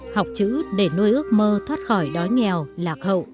học chữ để nuôi ước mơ thoát khỏi đói nghèo lạc hậu